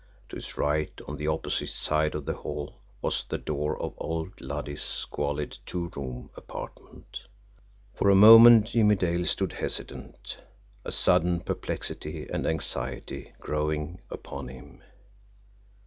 To his right, on the opposite side of the hall, was the door of old Luddy's squalid two room apartment. For a moment Jimmie Dale stood hesitant a sudden perplexity and anxiety growing upon him.